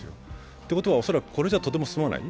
ということは、これではとても済まない。